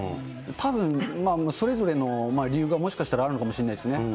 たぶん、それぞれの理由がもしかしたらあるのかもしれないですね。